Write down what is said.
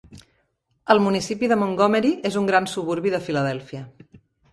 El municipi de Montgomery és un gran suburbi de Filadèlfia.